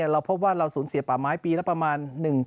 เราพบว่าเราสูญเสียป่าไม้ปีละประมาณ